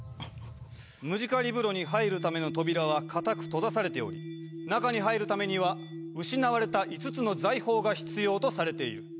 ムジカリブロに入るための扉はかたく閉ざされており中に入るためには失われた５つの財宝が必要とされている。